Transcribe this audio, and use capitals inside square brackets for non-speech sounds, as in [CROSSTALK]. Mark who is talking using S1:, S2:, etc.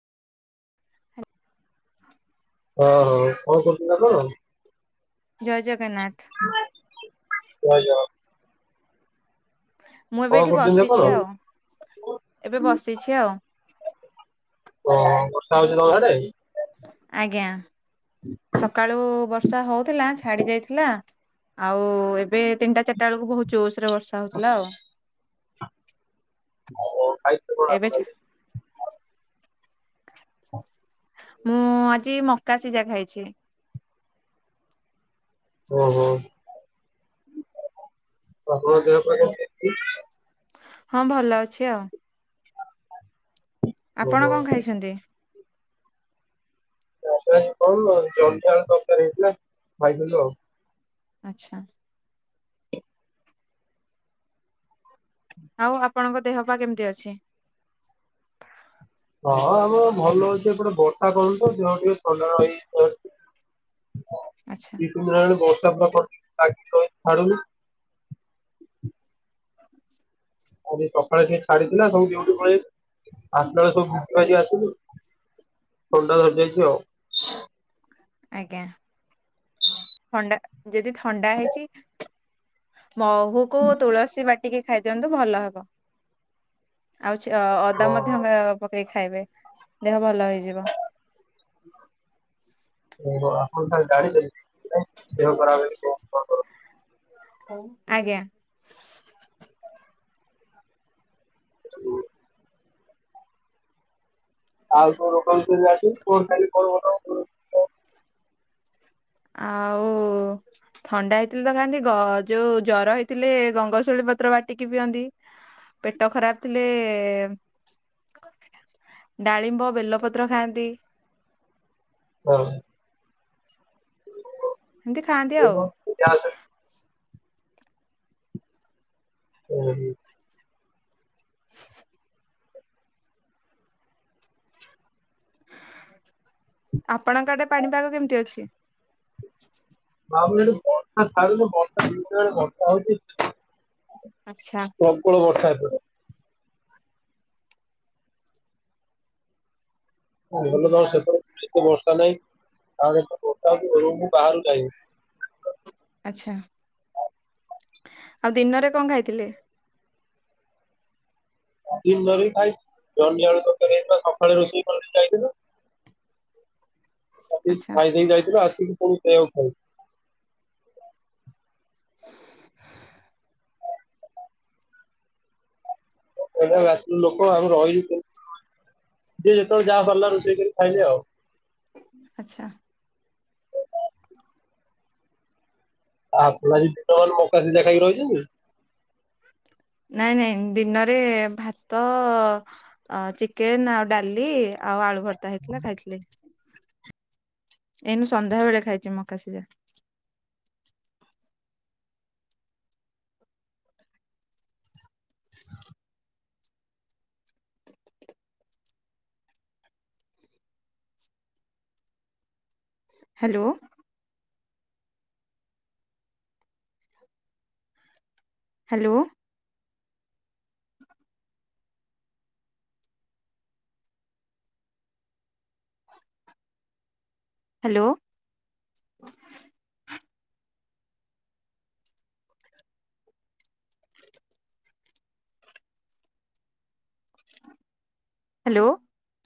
S1: ଓହୋ କଣ କରୁଥିଲା ତ?
S2: ଜୟ ଜଗ
S1: [UNINTELLIGIBLE] ଜୟ ଜଗ
S2: ମୁଁ ଏବେ
S1: କଣ
S2: ଏଇଠି
S1: କରୁଛନ୍ତି ଆପଣ?
S2: ବସିଛି ଆଉ ଏବେ ବସିଛି ଆଉ।
S1: ଓ ବର୍ଷା ହଉଚି ତମ ଆଡେ?
S2: ଆଜ୍ଞା ସକାଳୁ ବର୍ଷା ହଉଥିଲା ଛାଡି ଯାଇଥିଲା। ଆଉ ଏବେ ତିନିଟା ଚାରିଟା ବେଳକୁ ବହୁତ ଜୋରସରେ ବର୍ଷା ହଉଥିଲା ଆଉ। ଏବେ ଛା
S1: [UNINTELLIGIBLE] [INAUDIBLE]
S2: ମୁଁ ଆଜି ମକା ସିଜା ଖାଇଛି।
S1: ଓହୋ ଆପଣଙ୍କ ଦେହ ପା କେମିତି ଅଛି?
S2: ହଁ ଭଲ ଅଛି ଆଉ। ଆପଣ
S1: ଓହୋ
S2: କଣ ଖାଇଛନ୍ତି?
S1: [UNINTELLIGIBLE] ତରକାରି ହେଇଥିଲା ଖାଇଥିଲି ଆଉ।
S2: ଆଚ୍ଛା। ଆଉ ଆପଣଙ୍କ ଦେହ ପା କେମିତି ଅଛି?
S1: ହଁ ଆମ ଭଲ ହଉଚି ଏପଟେ ବର୍ଷା କଣ ତ ଦେହ ଟିକେ ଥଣ୍ଡା ରହି ଯାଇଚି [UNINTELLIGIBLE] ହଁ
S2: ଆଚ୍ଛା।
S1: ଦି ତିନି ଦିନି ହେଲାଣି ବର୍ଷା ପୁରା [UNINTELLIGIBLE] ଛାଡୁନି।
S2: [INAUDIBLE]
S1: ଆଉ ସକାଳେ ସିଏ ଛାଡିଥିଲା ସବୁ ଡ୍ୟୁଟି ପଳେଇ ଆସଲୁ [UNINTELLIGIBLE] ସବୁ ଭିଜି ଭାଜିକି ଆସିଲୁ। ଥଣ୍ଡା ଧରି ଦେଇଚି ଆଉ।
S2: ଆଜ୍ଞା ଥଣ୍ଡା ଯଦି ଥଣ୍ଡା ହେଇଚି ମହୁକୁ ତୁଳସୀ ବାଟିକି ଖାଇ ଦିଅନ୍ତୁ ଭଲ ହବ। ଆଉ ଚ ଅଦା
S1: ହଁ।
S2: ମଧ୍ୟ ଗ ପକେଇ ଖାଇବେ ଦେହ ଭଲ ହେଇଯିବ।
S1: ଓହୋ ଆପଣ ତାହେଲେ ଜାଣିଛନ୍ତି ଦେହ ଖରାପ ହେଲେ କଣ [UNINTELLIGIBLE]
S2: ହଉ ଆଜ୍ଞା।
S1: [INAUDIBLE] ଆଉ କୋଉ ଦୋକନ ଅଛି [UNINTELLIGIBLE]
S2: ଆଉ ଥଣ୍ଡା ହେଇଥିଲେ ତ କାନ୍ତି ଗ ଯୋଉ ଜର ହେଇଥିଲେ ଗଙ୍ଗସିଉଳୀ ପତ୍ର ବାଟିକି ପିଅନ୍ତି। ପେଟ ଖରାପ ଥିଲେ ଏ ଏ ଏ ଏ ଡାଳିମ୍ବ, ବେଲପତ୍ର ଖାଆନ୍ତି।
S1: ହଁ।
S2: ଏମିତି ଖାଆନ୍ତି ଆଉ।
S1: ଚାା [UNINTELLIGIBLE] ହ [UNINTELLIGIBLE]
S2: [UNINTELLIGIBLE] ଆପଣଙ୍କ ଆଡେ ପାଣିପାଗ କେମିତି ଅଛି?
S1: ବା ବର୍ଷା ାରୁନ ବର୍ଷା ଦଇ ବର୍ଷା ହଉଛି [UNINTELLIGIBLE]
S2: ଆଚ୍ଛା
S1: ପ୍ରବଳ ବର୍ଷା ଏପଟେ। ଭଲ ନ ସେ ସେତେ ଭରଷା ନାହିଁ କାରଣ ବର୍ଷା ହ ବାହାରୁ ଯଏ [INAUDIBLE]
S2: ଆଛା ଆଉ ଦିନରେ କଣ ଖାଇଥିଲେ?
S1: ଦିନରେ ବି ଖାଇଛି [UNINTELLIGIBLE] ସକାଳେ ରୋଷେଇ କରିଦିଆହେଇଥିଲା।
S2: ଆଚ୍ଛା
S1: ଖାଇ ଯାଇଥିଲ ଆସିକି ପୁଣି ସେଆକୁ ଖ ଏ ଲୋକ ଆଉ ରହିଛି ଯିଏ ଯେତେବେଳେ ଯାହା ପାରିଲା ରୋଷେଇ କରି ଖାଇଲେ ଆଉ।
S2: ଆଚ୍ଛା।
S1: ଆ ଆପଣ ଆଜି ଦିନ ମାନ ମକା ଶିଝା ଖାଇକି ରହିଛନ୍ତି।
S2: ନାଇଁ ନାଇଁ ଦିନରେ ଭାତ ଅ ଚିକେନ ଆଉ ଡାଲି ଆଉ ଆଳୁ ଭର୍ତା ହେଇଥିଲା ଖାଇଥିଲି। ଏଇନୁ ସନ୍ଧ୍ୟା ବେଳେ ଖାଇଛି ମକା ସିଝା। ହଁ [UNINTELLIGIBLE] ହ୍ୟାଲୋ ହ୍ୟାଲୋ ହ୍ୟାଲୋ। ହ୍ୟାଲୋ